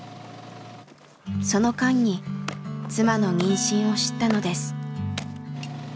その間に妻の妊娠を知ったのです。